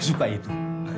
i suka itu